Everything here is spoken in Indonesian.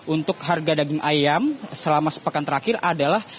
untuk harga daging ayam selama sepekan terakhir adalah